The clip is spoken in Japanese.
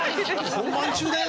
本番中だよ